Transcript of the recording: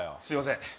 すいません